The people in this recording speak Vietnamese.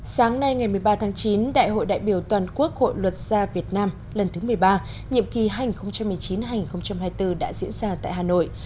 sáng nay ngày một mươi ba tháng chín đại hội đại biểu toàn quốc hội luật gia việt nam lần thứ một mươi ba nhiệm kỳ hai nghìn một mươi chín hai nghìn hai mươi bốn đã diễn ra tại hà nội